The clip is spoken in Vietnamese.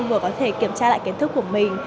vừa có thể kiểm tra lại kiến thức của mình